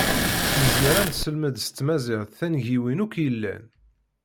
Nezmer ad neselmed s tmaziɣt tangiwin akk yellan.